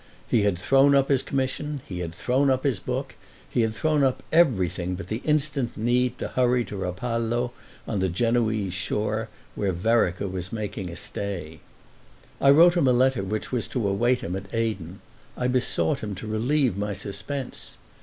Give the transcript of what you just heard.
He had thrown up his commission, he had thrown up his book, he had thrown up everything but the instant need to hurry to Rapallo, on the Genoese shore, where Vereker was making a stay. I wrote him a letter which was to await him at Aden—I besought him to relieve my suspense.